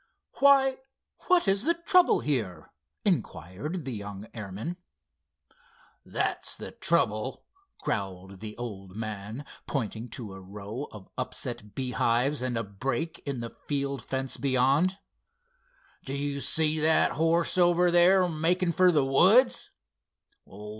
"Why, what is the trouble here?" inquired the young airman. "That's the trouble," growled the old man, pointing to a row of upset bee hives and a break in the field fence beyond. "Do you see that horse over there making for the woods?